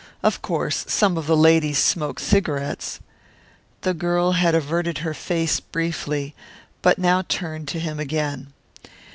Of course some of the ladies smoke cigarettes " The girl had averted her face briefly, but now turned to him again.